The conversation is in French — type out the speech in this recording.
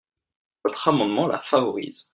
Votre amendement la favorise.